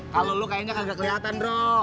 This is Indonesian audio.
kalau lo kayaknya nggak kelihatan ndro